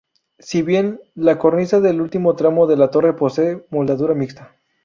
Si bien, la cornisa del último tramo de la torre posee moldura mixta.